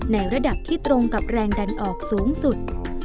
ในระดับที่ตรงกับแรงดันออกสูงสุด